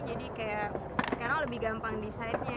jadi kayak sekarang lebih gampang desainnya